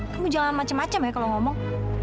kamu jangan macem macem ya kalo ngomong